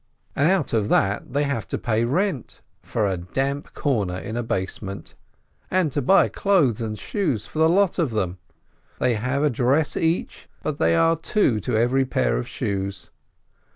And out of that they have to pay rent — for a damp corner in a basement. To buy clothes and shoes for the lot of them ! They have a dress each, but they are two to every pair of shoes.